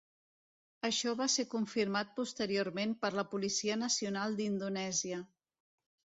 Això va ser confirmat posteriorment per la Policia Nacional d'Indonèsia.